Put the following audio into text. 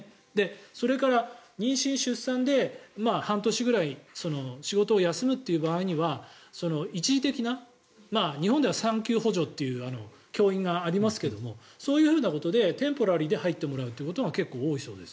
それから、妊娠・出産で半年ぐらい仕事を休む場合は一時的な日本では産休補助という教員がありますけれどそういうことでテンポラリーで入ってもらうというのが結構、多いそうです。